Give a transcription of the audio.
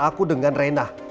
aku dengan rena